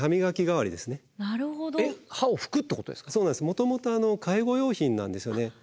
もともと介護用品なんですよね。